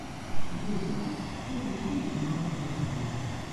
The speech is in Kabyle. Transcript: Yuba ur yelli yebɣa ad yeḍru waya.